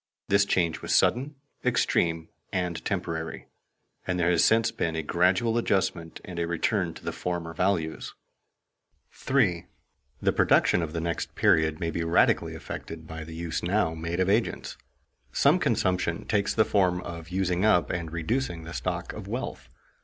This change was sudden, extreme, and temporary, and there has since been a gradual adjustment and a return to the former values. [Sidenote: Consumers' choice as affecting productive forces] 3. The production of the next period may be radically affected by the use now made of agents. Some consumption takes the form of using up and reducing the stock of wealth.